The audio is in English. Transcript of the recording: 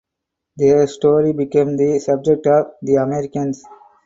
Their story became the subject of "The Americans".